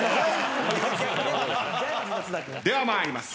では参ります。